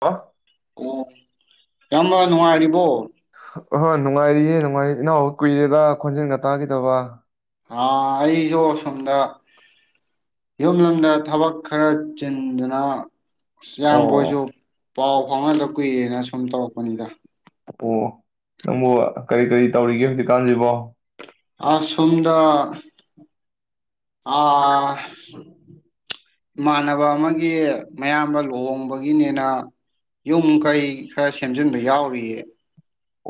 ꯑ ꯑꯣ ꯏꯌꯥꯝꯕꯥ ꯅꯨꯪꯉꯥꯏꯔꯤꯕꯔꯣ ꯑꯍꯣꯏ ꯅꯨꯡꯉꯥꯏꯔꯤꯌꯦ ꯅꯨꯡꯉꯥꯏꯔꯤ ꯏꯅꯥꯎꯕ ꯀꯨꯏꯔꯦꯗ ꯈꯣꯟꯖꯦꯜꯒ ꯇꯥꯈꯤꯗꯕ ꯑꯩꯁꯨ ꯑꯁꯣꯝꯗ ꯌꯨꯝ ꯂꯝꯗ ꯊꯕꯛ ꯈꯔ ꯆꯤꯟꯗꯨꯅ ꯁ ꯌꯥꯝꯌꯥꯝ ꯣꯖꯣ ꯑꯣ ꯄꯥꯎ ꯐꯥꯎꯅꯗ ꯀꯨꯏꯔꯦꯅ ꯁꯨꯝ ꯇꯧꯔꯛꯄꯅꯤꯗ ꯑꯣ ꯅꯪꯕꯨ ꯀꯔꯤ ꯀꯔꯤ ꯇꯧꯔꯤꯒꯦ ꯍꯧꯖꯤꯛꯀꯥꯟꯁꯤꯕꯣ ꯑꯁꯣꯝꯗ ꯑ ꯏꯃꯥꯟꯅꯕ ꯑꯃꯒꯤ ꯃꯌꯥꯝꯕ ꯂꯨꯍꯣꯡꯕꯒꯤꯅꯤꯅ ꯌꯨꯝ ꯀꯩ ꯈꯔ ꯁꯦꯝꯖꯤꯟꯕ ꯌꯥꯎꯔꯤꯌꯦ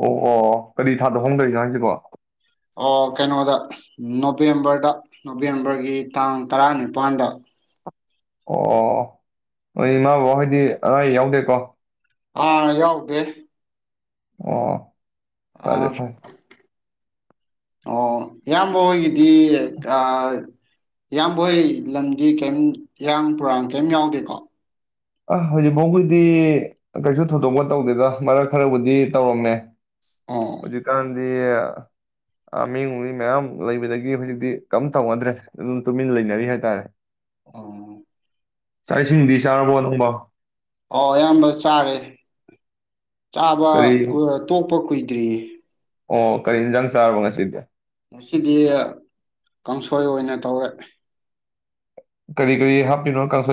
ꯑꯣ ꯑꯣ ꯀꯔꯤ ꯊꯥꯗ ꯍꯣꯡꯗꯔꯤꯅꯣ ꯍꯥꯏꯪꯁꯤꯕꯣ ꯑꯣ ꯀꯩꯅꯣꯗ ꯅꯣꯕꯦꯝꯕꯔꯗ ꯅꯣꯕꯦꯝꯕꯔꯒꯤ ꯇꯥꯡ ꯇꯔꯥꯅꯤꯄꯥꯜꯗ ꯑꯣ ꯑꯗꯨ ꯏꯃꯥ ꯕꯥ ꯍꯥꯏꯗꯤ ꯑꯔꯏ ꯌꯥꯎꯗꯦꯀꯣ ꯑꯥ ꯌꯥꯎꯀꯦ ꯑ ꯐꯁ ꯑꯣ ꯏꯌꯥꯝꯕ ꯍꯣꯏꯒꯤꯗꯤ ꯏꯌꯥꯝꯕ ꯍꯣꯏ ꯂꯝꯗꯤ ꯀꯔꯤꯝ ꯏꯔꯥꯡꯄꯨꯔꯥꯡ ꯀꯔꯤꯝ ꯌꯥꯎꯗꯦꯀꯣ ꯑ ꯍꯧꯖꯤꯛꯐꯥꯎꯒꯤꯗꯤ ꯀꯩꯁꯨ ꯊꯣꯏꯗꯣꯛꯄ ꯇꯧꯗꯦꯗ ꯃꯔꯛ ꯈꯔꯕꯨꯗꯤ ꯇꯧꯔꯝꯃꯦ ꯑꯣ ꯍꯧꯖꯤꯦ ꯀꯥꯟ ꯗꯤ ꯃꯤ ꯃꯤ ꯃꯌꯥꯝ ꯂꯩꯕꯗꯒꯤ ꯍꯧꯖꯤꯛꯇꯤ ꯀꯝ ꯇꯧꯅꯗ꯭ꯔꯦ ꯑꯗꯨꯝ ꯇꯨꯃꯤꯟ ꯂꯩꯅꯔꯤ ꯍꯥꯏꯇꯥꯔꯦ ꯑ ꯆꯥꯛ ꯏꯁꯤꯡꯗꯤ ꯆꯥꯔꯕꯣ ꯎꯃ ꯑꯣ ꯑꯌꯥꯝꯕ ꯆꯥꯔꯦ ꯆꯥꯕ ꯀꯔꯤ ꯇꯣꯛꯄ ꯀꯨꯏꯗ꯭ꯔꯤꯌꯦ ꯑꯣ ꯀꯔꯤ ꯌꯦꯟꯖꯥꯡ ꯆꯥꯔꯕꯣ ꯉꯁꯤꯗꯤ ꯉꯁꯤꯗꯤ ꯀꯥꯡꯁꯣꯏ ꯑꯣꯏꯅ ꯇꯧꯔꯦ ꯀꯔꯤ ꯀꯔꯤ ꯍꯥꯞꯄꯤꯅꯣ ꯀꯥꯡꯁ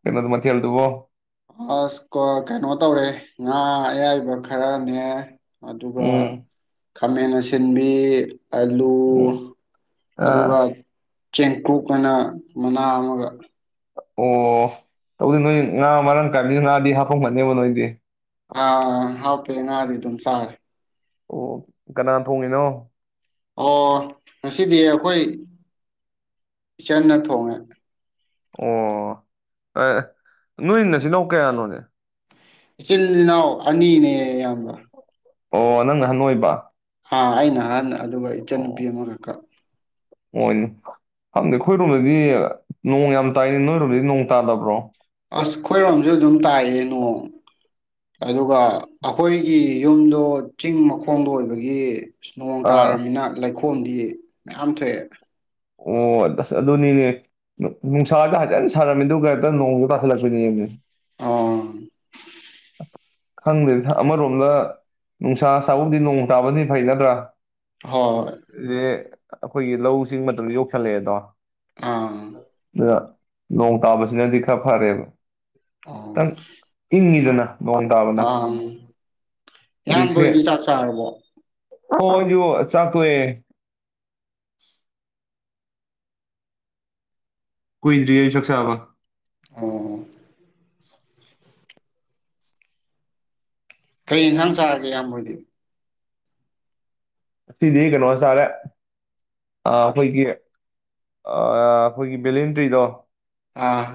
ꯀꯩꯅꯣ ꯃꯊꯦꯜꯗꯨꯕꯣ ꯑꯁ ꯀ ꯀꯩꯅꯣ ꯇꯧꯔꯦ ꯉꯥ ꯑꯌꯥꯏꯕ ꯈꯔꯅꯦ ꯑꯗꯨꯒ ꯎꯝ ꯈꯥꯃꯦꯟ ꯑꯁꯤꯟꯕꯤ ꯑꯂꯨ ꯎꯝ ꯑꯗꯨꯒ ꯑꯥ ꯆꯦꯡꯀꯨꯞ ꯑꯅ ꯃꯅꯥ ꯑꯃꯒ ꯑꯣ ꯇꯧꯗꯤ ꯅꯣꯏ ꯉꯥ ꯃꯔꯥꯡ ꯀꯥꯏꯕꯤꯁꯨ ꯉꯥꯗꯤ ꯍꯥꯞꯐꯝꯒꯅꯦꯕ ꯅꯣꯏꯗꯤ ꯑ ꯍꯥꯎ ꯄꯤꯅ ꯑꯗꯤ ꯊꯝ ꯆ ꯍꯥꯏꯔ ꯑꯣ ꯀꯅꯥ ꯊꯣꯡꯉꯤꯅꯣ ꯑꯣ ꯉꯁꯤꯗꯤ ꯑꯩꯈꯣꯏ ꯏꯆꯟꯅ ꯊꯣꯡꯉꯦ ꯑꯣ ꯅꯣꯏꯅꯆꯤꯟꯜꯅꯥꯎ ꯀꯌꯥꯅꯣꯅꯦ ꯏꯆꯤꯜ ꯏꯅꯥꯎ ꯑꯅꯤꯅꯦ ꯑꯌꯥꯝꯕ ꯑꯣ ꯅꯪ ꯅꯍꯥꯟ ꯅꯣꯏꯕ ꯑ ꯍꯥꯏꯅ ꯑꯗꯨꯒ ꯏꯆꯟꯅꯨꯄꯤ ꯑꯃꯈꯛꯀ ꯍꯣꯏꯅꯦ ꯐꯝꯗꯤ ꯑꯩꯈꯣꯏꯔꯣꯝꯗꯗꯤ ꯅꯣꯡ ꯌꯥꯝ ꯇꯥꯏꯅꯤ ꯅꯣꯏꯔꯣꯝꯗꯗꯤ ꯅꯣꯡ ꯇꯥꯗꯕ꯭ꯔꯣ ꯑꯁ ꯑꯩꯈꯣꯏꯔꯣꯝꯁꯨ ꯑꯗꯨꯝ ꯇꯥꯛꯌꯦ ꯅꯣꯡ ꯑꯗꯨꯒ ꯑꯩꯈꯣꯏꯒꯤ ꯌꯨꯝꯗꯣ ꯆꯤꯡ ꯃꯈꯣꯡꯗ ꯑꯣꯏꯕꯒꯤ ꯅꯣꯡ ꯑꯥ ꯇꯥꯔꯕꯃꯤꯅ ꯂꯩꯈꯣ ꯐꯣꯟꯗꯤ ꯃꯌꯥꯝꯁꯦ ꯑꯣꯁ ꯑꯗꯨꯅꯤꯅꯦ ꯅꯨꯡꯁꯥꯗ ꯍꯖꯟ ꯁꯥꯔꯝꯃꯤ ꯑꯗꯨꯒ ꯍꯦꯛꯇ ꯅꯣꯡꯁꯨ ꯇꯥꯥꯁꯜꯂꯛꯄꯣꯏꯅꯦ ꯑꯥ ꯈꯪꯗ꯭ꯔꯦ ꯑꯃꯔꯣꯝꯗ ꯅꯨꯡꯁꯥ ꯁꯥꯕꯗꯤ ꯅꯣꯡ ꯇꯥꯕꯗꯤ ꯐꯩꯅꯠꯇ꯭ꯔꯥ ꯍꯣꯏ ꯦ [inaudible] ꯑꯩꯈꯣꯏꯒꯤ ꯂꯧ ꯆꯤꯡ ꯃ ꯌꯧꯁꯤꯜꯂꯛꯑꯦꯗꯣ ꯑꯥ ꯑ ꯂꯣꯡ ꯇꯥꯕꯁꯤꯅꯗꯤ ꯈꯥ ꯐꯔꯦꯕ ꯑꯣ ꯇꯪ ꯏꯅꯤꯗꯅ ꯑꯥ ꯍꯧꯖꯤꯛꯁꯦ ꯏꯌꯥꯝꯕꯣꯏꯗꯤ ꯆꯥꯛ ꯆꯥꯔꯕꯣ ꯑꯣ ꯌ ꯆꯀꯨꯑꯦ ꯀꯣꯏ ꯁꯥꯥꯕ ꯑ [inaudible] ꯀꯩ ꯌꯦꯟꯁꯥꯡ ꯆꯥꯔꯒꯦ ꯌꯥꯝꯕꯣꯏꯗꯤ ꯑꯁꯤꯗꯤ ꯀꯩꯅꯣ ꯆꯔꯦ ꯑꯩꯈꯣꯏꯒꯤ ꯑꯩꯈꯣꯏꯒꯤ ꯚꯦꯂꯦꯟꯇ꯭ꯔꯤꯗꯣ ꯑꯥ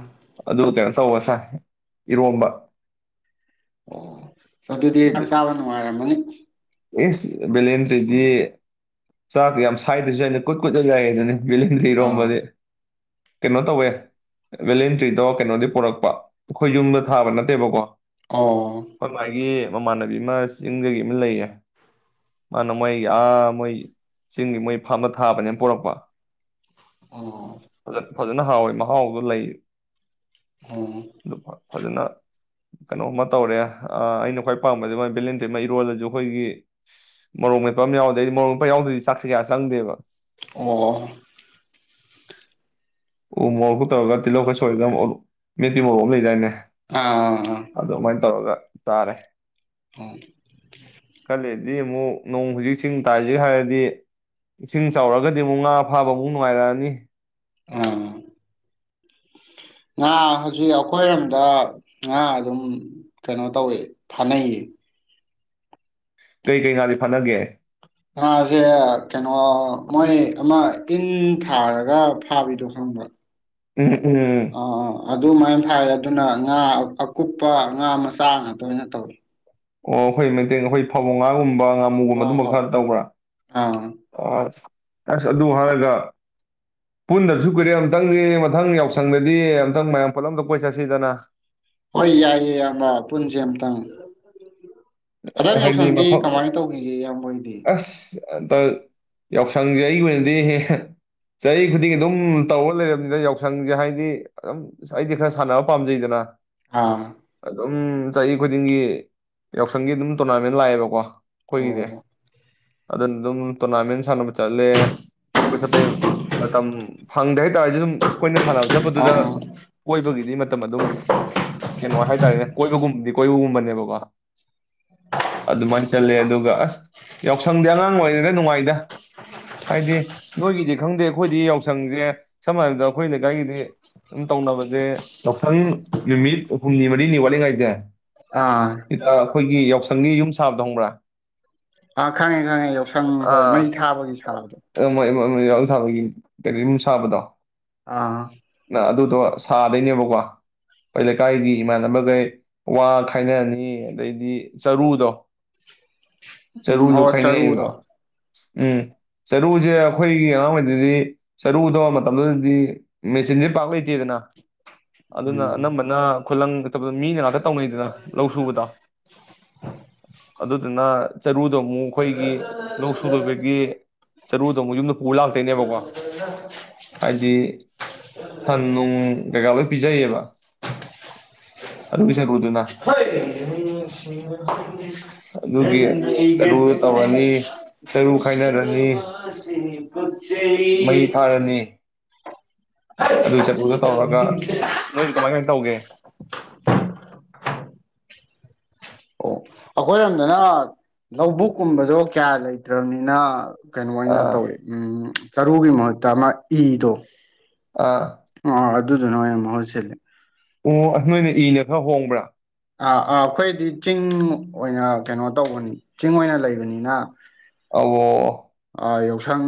ꯇꯧ ꯁꯥꯥꯏ ꯏꯔꯣꯝꯕ ꯑꯣ ꯑꯗꯨꯗꯤ ꯆꯥꯛ ꯆꯥꯕ ꯅꯨꯡꯉꯥꯏꯔꯝꯃꯅꯤ ꯎ ꯑꯦꯁ ꯚꯦꯂꯦꯟꯇꯗ꯭ꯔꯤꯗꯤ ꯆꯥꯛ ꯌꯥꯝ ꯁꯥꯏꯗ꯭ꯔꯁꯨ ꯍꯥꯏꯅ ꯀꯨꯏꯠ ꯀꯨꯠꯂ ꯌꯥꯏ ꯑꯗꯨꯅꯤ ꯕꯦꯂꯦꯟꯗ꯭ꯔꯤ ꯑꯥ ꯏꯔꯣꯟꯕꯗꯤ ꯀꯩꯅꯣ ꯇꯧꯋꯦ ꯚꯦꯂꯦꯟꯗ꯭ꯔꯤꯗꯣ ꯀꯩꯅꯣꯗꯤ ꯄꯨꯔꯛꯄ ꯑꯩꯈꯣꯏ ꯌꯨꯝꯗ ꯊꯥꯕꯗꯤ ꯅꯠꯇꯦꯕꯀꯣ ꯑꯣ ꯑꯩꯈꯣꯏ ꯃꯥꯒꯤ ꯃꯃꯥꯟꯅꯕꯤ ꯑꯃ ꯆꯤꯡꯗꯒꯤ ꯑꯃ ꯂꯩꯌꯦ ꯃꯥꯅ ꯃꯣꯏ ꯑꯥ ꯃꯣꯏ ꯆꯤꯡ ꯃꯣꯏ ꯐꯥꯔꯝꯗ ꯊꯥꯕꯅꯦꯅ ꯄꯣꯔꯛꯄ ꯐꯖ ꯑꯣ ꯐꯖꯅ ꯍꯥꯎꯋꯤ ꯃꯍꯥꯎꯗꯣ ꯂꯩꯌꯦ ꯑꯝ ꯐꯖꯅ ꯀꯩꯅꯣꯃ ꯇꯧꯔꯦ ꯑꯩꯅ ꯈ꯭ꯋꯥꯏ ꯄꯥꯝꯕꯁꯦ ꯃꯣꯏ ꯕꯦꯂꯦꯟꯗ꯭ꯔꯤ ꯑꯝ ꯏꯔꯣꯜꯂꯁꯨ ꯑꯩꯈꯣꯏꯒꯤ ꯃꯣꯔꯣꯛ ꯃꯦꯄ ꯑꯃ ꯌꯥꯔꯎꯗꯦ ꯃꯣꯔꯣꯛ ꯃꯦꯠꯄ ꯌꯥꯎꯗꯗꯤ ꯆꯥꯛꯁꯦ ꯀꯌꯥ ꯆꯪꯗꯦꯕ ꯑꯣ ꯎ ꯃꯣꯔꯣꯛꯀꯥ ꯇꯧꯔꯒ ꯇꯤꯜꯍꯧꯒ ꯁꯣꯏꯒ ꯃꯦꯠꯄꯤ ꯃꯣꯔꯣꯛ ꯑꯃ ꯂꯩꯗꯥꯏꯅꯦ ꯑꯥ ꯑꯗꯨꯃꯥꯏꯅ ꯇꯧꯔꯒ ꯆꯥꯔꯦ ꯍ [unintelligible] ꯈꯔꯂꯩꯔꯗꯤ ꯑꯃꯨꯛ ꯅꯣꯡ ꯍꯧꯖꯤꯛꯏꯁꯤꯡ ꯇꯥꯏꯁꯤꯒ ꯍꯥꯏꯔꯗꯤ ꯏꯁꯤꯡ ꯆꯥꯎꯔꯛꯑꯒꯗꯤ ꯑꯃꯨꯛ ꯉꯥ ꯐꯥꯕꯃꯨꯛ ꯅꯨꯡꯉꯥꯏꯔꯛꯑꯅꯤ ꯑꯥ ꯉꯥ ꯍꯧꯖꯤꯛ ꯑꯩꯈꯣꯏꯔꯣꯝꯗ ꯉꯥ ꯑꯗꯨꯝ ꯀꯩꯅꯣ ꯇꯧꯏ ꯐꯥꯟꯅꯩꯌꯦ ꯀꯩ ꯀꯩ ꯉꯥꯗꯤ ꯐꯥꯟꯅꯒꯦ ꯉꯥꯁꯦ ꯀꯩꯅꯣ ꯃꯣꯏ ꯑꯃ ꯏꯟ ꯊꯥꯔꯒ ꯐꯥꯕꯤꯗꯣ ꯈꯪꯕ꯭ꯔꯣ ꯎꯝ ꯎꯝ ꯑꯗꯨꯃꯥꯏꯅ ꯐꯥꯏ ꯑꯗꯨꯅ ꯉꯥ ꯑꯀꯨꯞꯄ ꯉꯥ ꯃꯆꯥ ꯉꯥꯛꯇ ꯑꯣꯏꯅ ꯇꯧꯋꯦ ꯑꯣ ꯑꯩꯈꯣꯏ ꯃꯇꯦꯡ ꯑꯩꯈꯣꯏ ꯐꯥꯕꯨꯡꯉꯥꯒꯨꯝꯕ ꯉꯥꯃꯨꯒꯨꯝꯕ ꯍꯣꯏ ꯑꯗꯨꯝꯕ ꯍꯣꯏ ꯈꯔ ꯇꯧꯕ꯭ꯔꯥ ꯑꯥ ꯍ ꯑꯁ ꯑꯗꯨ ꯍꯥꯏꯔꯒ ꯄꯨꯟꯗꯕꯁꯨ ꯀꯨꯏꯔꯦ ꯑꯨꯛꯇꯪꯗꯤ ꯃꯊꯪ ꯌꯥꯎꯁꯪꯗꯗꯤ ꯑꯨꯛꯇꯪ ꯃꯌꯥꯝ ꯄꯨꯂꯞ ꯑꯝꯇ ꯀꯣꯏ ꯆꯠꯁꯤꯗꯅ ꯍꯣꯏ ꯌꯥꯏꯌꯦ ꯏꯌꯥꯝꯕ ꯄꯨꯟꯁꯦ ꯑꯝꯇꯪ ꯍꯟꯗꯛ ꯍꯥꯏꯗꯤ ꯌꯥꯎꯁꯪꯗꯤ ꯃꯐꯝ ꯀꯃꯥꯏꯅ ꯇꯧꯈꯤꯒꯦ ꯏꯌꯥꯝꯕ ꯃꯣꯏꯗꯤ ꯑꯇ ꯌꯥꯎꯁꯪꯁꯦ ꯑꯩꯒꯤ ꯑꯣꯏꯅꯗꯤ ꯆꯍꯤ ꯈꯨꯗꯤꯡꯒꯤ ꯑꯗꯨꯝ ꯇꯧꯕ ꯂꯩꯔꯕꯅꯤꯗ ꯌꯥꯎꯁꯪꯁꯦ ꯍꯥꯏꯗꯤ ꯑꯗꯨꯝ ꯑꯩꯗꯤ ꯈꯔ ꯁꯥꯟꯅꯕ ꯄꯥꯝꯖꯩꯗꯅ ꯑꯥ ꯎꯝ ꯆꯍꯤ ꯈꯨꯗꯤꯡꯒꯤ ꯌꯥꯎꯁꯪꯒꯤ ꯑꯗꯨꯝ ꯇꯣꯔꯅꯥꯃꯦꯟ ꯂꯥꯛꯑꯦꯕꯀꯣ ꯀꯣꯏꯒꯤꯗꯤ ꯑꯣ ꯑꯗꯨꯅ ꯑꯗꯨꯝ ꯇꯣꯔꯅꯥꯃꯦꯟ ꯁꯥꯟꯅꯕ ꯆꯠꯂꯦ ꯀꯣꯏꯕ ꯆꯠꯄꯩ ꯃꯇꯝ ꯐꯪꯗꯦ ꯍꯥꯏꯇꯥꯔꯗꯤ ꯑꯗꯨꯝ ꯑꯩꯈꯣꯏꯅ ꯁꯥꯟꯅꯕ ꯆꯠꯄꯗꯨꯗ ꯑꯥ ꯀꯣꯏꯕꯒꯤꯗꯤ ꯃꯇꯝ ꯑꯗꯨꯝ ꯀꯩꯅꯣ ꯍꯥꯏꯇꯥꯔꯦꯅꯦ ꯀꯣꯏꯕꯒꯨꯝꯕꯗꯤ ꯀꯣꯏꯕꯨ ꯎꯃꯔꯅꯦ ꯕꯥ ꯑꯗꯃꯟ ꯆꯜꯦ ꯑꯗꯨꯒꯒ ꯑꯁ ꯌꯥꯎꯁꯪꯗꯤ ꯑꯉꯥꯡ ꯑꯣꯏꯔꯤꯩꯗ ꯅꯨꯡꯉꯥꯏꯗ ꯍꯥꯏꯗꯤ ꯅꯈꯣꯏꯒꯤꯗꯤ ꯈꯪꯗꯦ ꯑꯩꯈꯣꯏꯗꯤ ꯌꯥꯎꯁꯪꯁꯦ ꯁꯝꯅ ꯍꯥꯏꯔꯕꯗ ꯑꯩꯈꯣꯏꯅꯀꯥꯏꯒꯤꯗꯤ ꯑꯗꯨꯝ ꯇꯧꯅꯕꯁꯦ ꯌꯥꯎꯁꯪ ꯅꯨꯃꯤꯠ ꯍꯨꯝꯅꯤ ꯃꯔꯤꯅꯤ ꯋꯥꯠꯂꯤꯉꯩꯗꯦ ꯑꯥ ꯑꯩꯈꯣꯏꯒꯤ ꯌꯥꯎꯁꯪꯒꯤ ꯌꯨꯝ ꯁꯥꯕꯗ ꯍꯕ꯭ꯔꯥ ꯑꯥ ꯈꯪꯉꯦ ꯈꯪꯉꯦ ꯌꯥꯎꯁꯪ ꯍꯣꯏ ꯃꯩ ꯊꯥꯕꯒꯤ ꯁꯥꯕꯗꯣ ꯔꯥꯎ ꯁꯥꯕꯒꯤ ꯀꯨꯝ ꯁꯥꯕꯗꯣ ꯑꯥ ꯅ ꯑꯗꯨ ꯑꯗꯨ ꯇ ꯁꯥꯗꯣꯏꯅꯦꯕꯀꯣ ꯑꯩꯈꯣꯏ ꯂꯩꯀꯥꯏꯒꯤ ꯏꯃꯥꯟꯅꯕꯈꯩ ꯋꯥ ꯈꯥꯏꯅꯔꯅꯤ ꯑꯗꯩꯗꯤ ꯆꯔꯨꯗꯣ ꯎꯝ ꯆꯔꯨꯁꯨ ꯑꯣ ꯆꯔꯨꯗꯣ ꯈꯥꯏꯅꯩꯌꯦꯕ ꯎꯝ ꯆꯔꯨꯁꯦ ꯑꯩꯈꯣꯏꯒꯤ ꯑꯉꯥꯡ ꯑꯣꯏꯔꯤꯩꯗꯤ ꯆꯔꯨꯗꯧꯕ ꯃꯇꯝꯗꯨꯗꯗꯤ ꯃꯦꯆꯤꯟꯁꯦ ꯄꯥꯛ ꯂꯩꯇꯦꯗꯅ ꯑꯗꯨꯅ ꯎꯝ ꯑꯅꯝꯕꯅ ꯈꯨꯂꯪ ꯆ ꯆꯕꯗ ꯃꯤꯅ ꯉꯥꯛꯇ ꯇꯧꯅꯩꯗꯅ ꯂꯧ ꯁꯨꯕꯗꯣ ꯑꯗꯨꯗ ꯊꯅ ꯆꯔꯗꯣ ꯑꯃꯨꯛ ꯑꯩꯈꯣꯏꯒꯤ ꯂꯧ ꯁꯨ ꯂꯣꯏꯕꯒꯤ ꯆꯔꯨꯗꯣ ꯑꯃꯨꯛ ꯌꯨꯝꯗ ꯄꯨꯕ ꯂꯥꯛꯇꯣꯏꯅꯦꯕꯀꯣ ꯍꯥꯏꯗꯤ ꯁꯟ ꯅꯨꯡ ꯀꯩꯀꯥ ꯂꯣꯏ ꯄꯤꯖꯩꯌꯦꯕ ꯑꯗꯨꯒꯤ ꯆꯔꯨꯗꯨꯅ ꯍꯗꯤ ꯑꯗꯨꯒꯤ ꯆꯔꯨ ꯇꯧꯔꯅꯤ ꯆꯔꯨ ꯈꯥꯏꯅꯔꯅꯤ ꯃꯩ ꯊꯥꯔꯅꯤ ꯑꯗꯨ ꯆꯔꯨꯗꯣ ꯇꯧꯔꯒ ꯅꯣꯏꯗꯤ ꯀꯃꯥꯏ ꯀꯃꯥꯏꯅ ꯇꯧꯒꯦ ꯁꯤ ꯑꯩꯈꯣꯏꯔꯣꯝꯗꯅ ꯂꯧꯕꯨꯛꯀꯨꯝꯕꯗꯣ ꯀꯌꯥ ꯂꯩꯇ꯭ꯔꯕꯅꯤꯅ ꯀꯩꯅꯣ ꯑꯣꯏꯅ ꯑꯥ ꯇꯧꯋꯦ ꯎ ꯆꯔꯨꯒꯤ ꯃꯍꯨꯠꯇ ꯃꯥ ꯏꯗꯣ ꯑꯥ ꯑꯗꯨꯗꯨꯅꯉꯩꯅ ꯃꯍꯨꯠ ꯁꯤꯜꯂꯤ ꯑꯣ ꯑ ꯅꯣꯏꯅ ꯏꯅ ꯈꯔ ꯍꯣꯡꯕ꯭ꯔꯥ ꯑꯩꯈꯣꯏꯗꯤ ꯆꯤꯡ ꯑꯣꯏꯅ ꯀꯩꯅꯣ ꯇꯧꯕꯅꯤ ꯆꯤꯡ ꯑꯣꯏꯅ ꯂꯩꯕꯅꯤꯅ ꯑꯣ ꯑ ꯌꯥꯎꯁꯥꯡ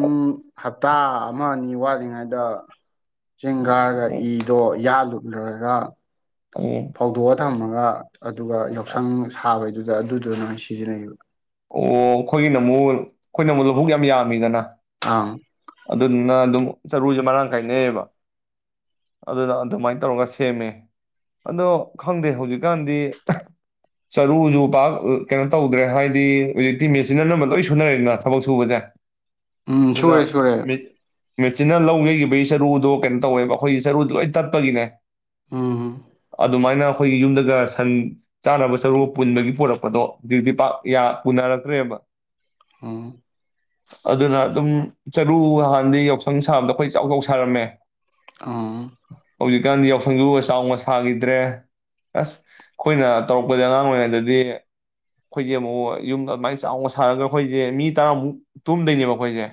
ꯍꯞꯇꯥ ꯑꯃ ꯑꯅꯤ ꯋꯥꯠꯂꯤꯉꯩꯗ ꯆꯦꯡꯒꯥꯔꯒ ꯎꯝ ꯏꯗꯣ ꯌꯥꯜꯂꯨ ꯂꯣꯏꯔꯒ ꯎꯝ ꯐꯧꯗꯣꯛꯠ ꯊꯝꯃꯒ ꯑꯗꯨꯒ ꯌꯥꯎꯁꯪ ꯁꯥꯕꯩꯗꯨꯗ ꯑꯗꯨꯗꯨꯅꯣꯏ ꯁꯤꯖꯤꯟꯅꯩꯌꯦꯕ ꯑꯣ ꯑꯩꯈꯣꯏꯒꯤꯅ ꯑꯃꯨꯛ ꯑꯩꯈꯣꯏ ꯅ ꯑꯃꯨꯗꯣ ꯍꯨꯛ ꯌꯥꯝꯃꯤꯗꯅ ꯑꯪ ꯑꯗꯨꯅ ꯑꯗꯨꯝ ꯆꯔꯨꯁꯦ ꯃꯔꯥꯡ ꯀꯥꯏꯅꯩꯑꯕ ꯑꯗꯨꯗ ꯑꯗꯨꯃꯥꯏꯅ ꯇꯧꯔꯒ ꯁꯦꯝꯃꯦ ꯑꯗꯣ ꯈꯪꯗꯦ ꯍꯧꯖꯤꯛꯀꯥꯟꯗꯤ ꯆꯔꯨꯁꯨ ꯄꯥꯛ ꯀꯩꯅꯣ ꯇꯧꯗ꯭ꯔꯦ ꯍꯥꯏ ꯍꯧꯖꯤꯛꯇꯤ ꯃꯦꯆꯤꯟ ꯑꯅꯝꯕ ꯂꯣꯏ ꯁꯨꯅꯔꯦꯗꯅ ꯊꯕꯛ ꯁꯨꯕꯁꯦ ꯎꯝ ꯁꯨꯔꯦ ꯑꯗꯨꯅ ꯁꯨꯔꯦ ꯃꯦ- ꯃꯦꯆꯤꯟꯅ ꯂꯧ ꯌꯩꯈꯤꯕꯒꯤ ꯆꯔꯨꯗꯣ ꯀꯩꯅꯣ ꯇꯧꯋꯦꯕ ꯑꯩꯈꯣꯏꯒꯤ ꯆꯔꯨꯗ‌ꯣ ꯂꯣꯏ ꯇꯠꯄꯒꯤꯅꯦ ꯎꯝ ꯑꯗꯨꯃꯥꯏꯅ ꯑꯩꯈꯣꯏꯒꯤ ꯌꯨꯝꯗꯒ ꯁꯟ ꯆꯥꯅꯕ ꯆꯔꯨꯒ ꯄꯨꯟꯕꯒꯤ ꯄꯨꯣꯔꯛꯄꯗꯣ ꯍꯧꯖꯤꯛꯇꯤ ꯄꯥꯛ ꯌꯥ ꯄꯨꯅꯥꯔꯛꯇ꯭ꯔꯦꯕ ꯎꯝ ꯑꯗꯨꯅ ꯑꯗꯨꯝ ꯆꯔꯨ ꯍꯥꯟꯗꯤ ꯌꯥꯎꯁꯪ ꯁꯥꯕꯗ ꯑꯩꯈꯣꯏ ꯆꯥꯎ ꯆꯥꯎ ꯁꯥꯔꯝꯃꯦ ꯎꯝ ꯍꯧꯖꯤꯛꯀꯥꯟꯗꯤ ꯌꯥꯎꯁꯪꯗꯨꯒ ꯆꯥꯎꯅ ꯁꯥꯈꯤꯗ꯭ꯔꯦ ꯑꯁ ꯑꯩꯈꯣꯏꯅ ꯇꯧꯔꯛꯄꯗ ꯑꯉꯥꯡ ꯑꯣꯏꯔꯤꯉꯩꯗꯗꯤ ꯑꯩꯈꯣꯏꯁꯦ ꯑꯃꯨꯛ ꯌꯨꯝ ꯑꯗꯨꯃꯥꯏꯅ ꯆꯥꯎꯅ ꯁꯥꯔꯒ ꯑꯩꯈꯣꯏꯒꯤ ꯃꯤ ꯇꯔꯥꯃꯨꯛ ꯇꯨꯝꯗꯣꯏꯅꯦꯕ ꯑꯩꯈꯣꯏꯁꯦ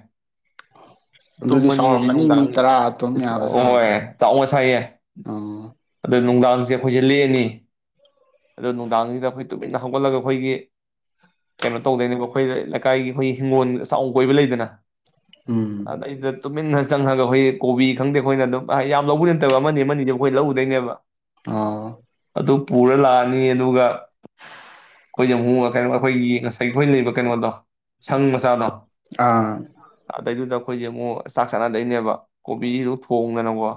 ꯑꯗꯨꯗꯤ ꯇꯨꯝꯃꯅꯤ ꯑꯗꯩ ꯆꯥꯎꯔꯝꯃꯅꯤ ꯅꯨꯡꯗꯥꯡ ꯃꯤ ꯇꯔꯥ ꯑꯗꯨꯝ ꯌꯥꯕ ꯍꯣꯏ ꯁꯥꯔꯗꯤ ꯇꯥꯛꯑꯣ ꯁꯥꯏꯌꯦ ꯑꯣ ꯑꯗꯨꯗ ꯅꯨꯡꯗꯥꯡ ꯅꯨꯡꯗꯥꯡꯁꯦ ꯑꯩꯈꯣꯏꯁꯦ ꯂꯦꯛꯑꯅꯤ ꯑꯗꯣ ꯅꯨꯡꯗꯥꯡꯁꯤꯗ ꯑꯩꯈꯣꯏ ꯇꯨꯃꯤꯟꯅ ꯍꯧꯒꯠꯂꯒ ꯑꯩꯈꯣꯏꯒꯤ ꯀꯩꯅꯣ ꯇꯧꯗꯣꯏꯅꯦꯕ ꯑꯩꯈꯣꯏ ꯂꯩꯀꯥꯏꯒꯤ ꯑꯩꯈꯣꯏꯒꯤ ꯍꯤꯡꯒꯣꯜ ꯆꯥꯎ ꯀꯣꯏꯕ ꯂꯩꯗꯅ ꯎꯝ ꯑꯗꯩꯗ ꯇꯨꯃꯤꯟꯅ ꯆꯪꯉꯒ ꯑꯩꯈꯣꯏ ꯀꯣꯕꯤ ꯈꯪꯗꯦ ꯑꯩꯈꯣꯏꯅ ꯑꯗꯨꯝ ꯌꯥꯝ ꯂꯧꯕꯗꯤ ꯅꯠꯇꯕ ꯑꯃꯅꯤ ꯑꯃꯅꯤꯗꯤ ꯑꯩꯈꯣꯏ ꯂꯧ ꯎꯗꯣꯏꯅꯦꯕ ꯑꯣ ꯑꯗꯨ ꯄꯨꯔ ꯂꯥꯛꯑꯅꯤ ꯑꯗꯨꯒ ꯈ‌ꯣꯏꯁ‌ꯦ ꯃꯨꯛ ꯀꯩꯅꯣ ꯑꯩꯈꯣꯏꯒꯤ ꯉꯁꯥꯏ ꯈꯣꯏ ꯂꯩꯕ ꯀꯩꯅꯣꯗꯣ ꯁꯪ ꯃꯆꯥꯗꯣ ꯑꯥ ꯑꯗꯩꯗꯨꯗ ꯑꯩꯈꯣꯏꯁꯦ ꯑꯃꯨꯛ ꯆꯥꯛ ꯆꯥꯅꯗꯣꯏꯅꯦꯕ ꯀꯣꯕꯤꯁꯤꯁꯨ ꯊꯣꯡꯗꯅꯀꯣ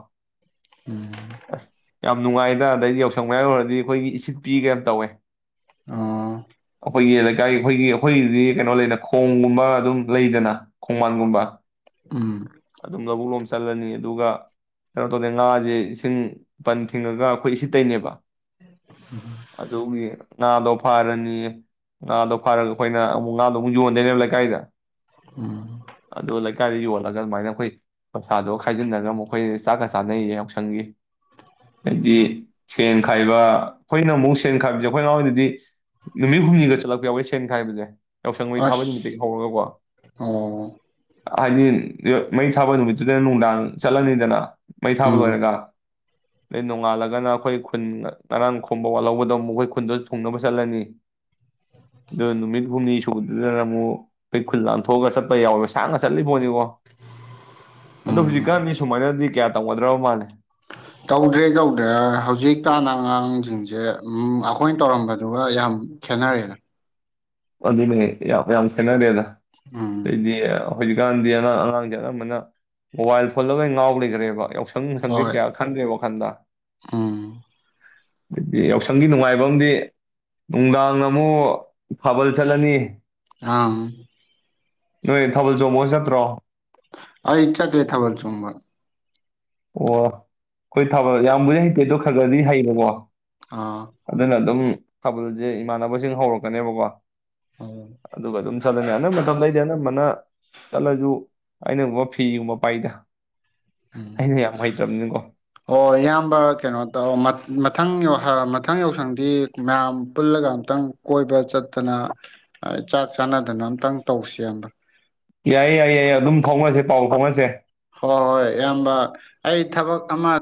ꯎꯝ ꯑꯁ ꯌꯥꯝ ꯅꯨꯡꯉꯥꯏꯗ ꯑꯗꯩꯗꯤ ꯌꯥꯎꯁꯪ ꯃꯌꯥ ꯌꯧꯔꯛꯑꯗꯤ ꯑꯩꯈꯣꯏꯒꯤ ꯏꯁꯤꯠ ꯄꯤꯒ ꯌꯥꯝ ꯇꯧꯋꯦ ꯑꯣ ꯑꯩꯈꯣꯏꯒꯤ ꯂꯩꯀꯥꯏ ꯑꯩꯈꯣꯏꯒꯤ ꯑꯩꯈꯣꯏꯒꯤꯗꯤ ꯀꯩꯅꯣ ꯂꯩꯅ ꯈꯣꯡꯒꯨꯝꯕ ꯑꯗꯨꯝ ꯂꯩꯗꯅ ꯈꯣꯡꯕꯥꯟꯒꯨꯝꯕ ꯎꯝ ꯑꯗꯨꯝ ꯂꯧꯕꯨꯛꯂ‌ꯣꯝ ꯆꯠꯂꯅꯤ ꯑꯗꯨꯒ ꯀꯩꯅꯣ ꯇꯧꯗꯦ ꯉꯥꯁꯦ ꯏꯁꯤꯡ ꯄꯟ ꯊꯤꯡꯉꯒ ꯑꯩꯈꯣꯏ ꯏꯁꯤꯠ ꯇ‌ꯣꯏꯅꯦꯕ ꯑꯗꯨꯒꯤ ꯉꯥꯗꯣ ꯐꯥꯔꯅꯤ ꯉꯥꯗꯣ ꯐꯥꯔꯒ ꯑꯩꯈꯣꯏꯅ ꯑꯃꯨꯛ ꯉꯥꯗꯣ ꯑꯃꯨꯛ ꯌꯣꯟꯗꯣꯏꯅꯦꯕ ꯂꯩꯀꯥꯏꯗ ꯑꯗꯨꯗ ꯂꯩꯀꯥꯏꯗ ꯌ‌ꯣꯟ ꯂꯒ ꯑꯗꯨꯃꯥꯏꯅ ꯑꯩꯈꯣꯏ ꯄꯩꯁꯥꯗꯣꯒ ꯈꯥꯏꯖꯤꯟꯟꯅꯔꯒ ꯑꯃꯨꯛꯈꯣꯏ ꯆꯥꯛꯀ ꯆꯥꯅꯩꯌꯦ ꯌꯥꯎꯁꯪꯒꯤ ꯍꯥꯏꯗꯤ ꯁꯦꯟ ꯈꯥꯏꯕ ꯑꯩꯈꯣꯏꯅ ꯑꯃꯨꯛ ꯁꯦꯟ ꯈꯥꯏꯕꯁꯦ ꯑꯩꯈꯣꯏ ꯑꯉꯥꯡ ꯑꯣꯏꯗꯗꯤ ꯅꯨꯃꯤꯠ ꯍꯨꯝꯅꯤꯒ ꯆꯠꯂꯛꯄ ꯌꯥꯎꯋꯦ ꯁꯦꯟ ꯈꯥꯏꯕꯁꯦ ꯌꯥꯎꯁꯪ ꯃꯩ ꯊꯥꯕ ꯅꯨꯃꯤꯠꯇꯒꯤ ꯑꯁ ꯍꯧꯔꯒꯀꯣ ꯑꯣ ꯍꯥꯏꯗꯤ ꯃꯩ ꯊꯥꯕ ꯅꯨꯃꯤꯠꯇꯨꯗꯅ ꯅꯨꯡꯗꯥꯡ ꯆꯠꯂꯅꯤꯗꯅ ꯃꯩ ꯊꯥꯕ ꯎꯝ ꯂꯣꯏꯔꯒ ꯑꯗꯩ ꯅꯣꯡꯉꯥꯜꯂꯒꯅ ꯑꯩꯈꯣꯏ ꯈꯨꯟ ꯉꯔꯥꯡ ꯈꯣꯝꯕ ꯋꯥꯠꯍꯧꯕꯗꯣ ꯑꯃꯨꯛ ꯑꯩꯈꯣꯏ ꯈꯨꯟꯗ‌ꯣ ꯊꯨꯡꯅꯕ ꯆꯠꯂꯅꯤ ꯑ ꯅꯨꯃꯤꯠ ꯍꯨꯝꯅꯤ ꯁꯨꯕꯗꯅ ꯑꯃꯨꯛ ꯑꯩ ꯈꯨꯜ ꯂꯥꯟ ꯊꯣꯛꯒ ꯆꯠ ꯈꯣꯏ ꯌꯥꯎꯋꯦꯕ ꯁꯥꯡꯅ ꯆꯠꯂꯤꯕꯣꯏꯅꯤꯀꯣ ꯑꯗꯣ ꯎꯝ ꯍꯧꯖꯤꯛꯀꯥꯟꯗꯤ ꯁꯨꯃꯥꯏꯅꯗꯤ ꯀꯌꯥ ꯇꯧꯒꯗ꯭ꯔꯕ ꯃꯥꯜꯂꯦ ꯇꯧꯗ꯭ꯔꯦ ꯇꯧꯗ꯭ꯔꯦ ꯍꯧꯖꯤꯛ ꯀꯥꯟ ꯑꯉꯥꯡꯖꯦ ꯁꯤꯡꯁꯦ ꯎꯝ ꯑꯩꯈꯣꯏꯅ ꯇꯧꯔꯝꯕꯗꯨꯒ ꯌꯥꯝ ꯈꯦꯠꯅꯔꯦꯗ ꯑꯗꯨꯅꯦ ꯌꯥꯝ ꯌꯥꯝ ꯈꯦꯠꯅꯔꯦꯗ ꯎꯝ ꯑꯗꯩꯗꯤ ꯍꯧꯖꯤꯛꯀꯥꯟꯗꯤ ꯑꯉꯥꯡ ꯑꯉꯥꯡꯁꯦ ꯑꯅꯝꯕꯅ ꯃꯣꯕꯥꯏꯜ ꯐꯣꯟꯗ ꯂꯣꯏ ꯉꯥꯎ ꯂꯩꯈ꯭ꯔꯦꯕ [inaudible] ꯍꯣꯏ ꯀꯌꯥ ꯈꯟꯗꯦ ꯋꯥ ꯈꯟꯗ ꯎꯝ ꯑꯗꯤ ꯌꯥꯎꯁꯪꯒꯤ ꯅꯨꯡꯉꯥꯏꯕ ꯑꯝ ꯅꯨꯡꯗꯥꯡ ꯑꯃꯨꯛ ꯊꯥꯕꯜ ꯆꯜꯂꯅꯤ ꯑꯥ ꯅꯣꯏ ꯊꯕꯜ ꯆꯣꯡꯕꯒ ꯆꯠ ꯄꯔꯣ ꯑꯩ ꯆꯠꯇꯦ ꯊꯥꯕꯜ ꯆꯣꯡꯕ ꯑꯣ ꯑꯈꯣꯏ ꯊꯥꯕꯜ ꯌꯥꯝꯕꯨꯗꯤ ꯍꯩꯇꯦꯗꯣ ꯈꯔ ꯈꯔꯗꯤ ꯍꯩꯕꯀꯣ ꯑꯥ ꯑꯗꯨꯅ ꯑꯗꯨꯝ ꯊꯥꯕꯜꯁꯦ ꯏꯃꯥꯟꯅꯕꯁꯤꯡ ꯍꯧꯔꯛꯀꯅꯦꯕꯀꯣ ꯎꯝ ꯑꯗꯨꯒ ꯑꯗꯨꯝ ꯆꯠꯂꯅꯤ ꯑꯅꯝ ꯃꯇꯝꯗ ꯑꯩꯗꯤ ꯑꯅꯝꯕꯅ ꯆꯠꯂꯁꯨ ꯑꯩꯅꯒꯨꯝꯕ ꯐꯤꯒꯨꯝꯕ ꯄꯥꯏꯗ ꯎꯝ ꯑꯩꯅ ꯌꯥꯝ ꯍꯩꯇ꯭ꯔꯕꯅꯤꯅꯀꯣ ꯑꯣ ꯏꯌꯥꯝꯕ ꯀꯩꯅꯣ ꯇꯧ ꯃꯃꯊꯪ ꯍ ꯃꯊꯪ ꯌꯥꯎꯁꯪꯗꯤ ꯃꯌꯥꯝ ꯄꯨꯜꯂꯒ ꯑꯝꯇꯪ ꯀꯣꯏꯕ ꯆꯠꯇꯅ ꯆꯥꯛ ꯆꯥꯟꯅꯗꯅ ꯑꯝꯇꯪ ꯇꯧꯁꯤꯕ ꯌꯥꯏꯌꯦ ꯌꯥꯏꯌꯦ ꯌꯥꯏ ꯑꯗꯨꯝ ꯐꯥꯎꯅꯁꯦ ꯄꯥꯎ ꯐꯥꯎꯅꯁꯦ ꯍꯣꯏ ꯍꯣꯏ ꯑꯌꯥꯝꯕ ꯑꯩ ꯊꯕꯛ ꯑꯃ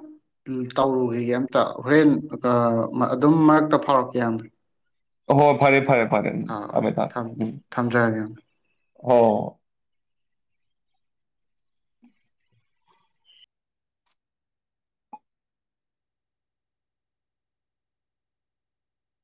ꯇꯧꯔꯨꯒꯤꯒꯦ ꯑꯝꯇ ꯍꯨꯔꯦꯟ ꯑ ꯑꯗꯨꯝ ꯃꯔꯛꯇ ꯐꯥꯎꯔꯛꯀꯦ ꯏꯌꯥꯝꯕ ꯍꯣ ꯐꯔꯦ ꯐꯔꯦ ꯐꯔꯦ ꯊꯝꯃꯦ ꯊꯝꯃꯦ ꯑꯥ ꯎꯝ ꯊꯝꯖꯔꯒꯦ ꯍꯣ